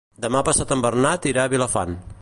Demà passat en Bernat irà a Vilafant.